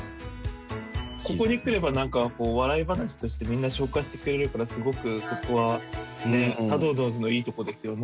ここに来ればなんか、笑い話としてみんな昇華してくれるから、すごくそこは、たどうのうズのいいところですよね。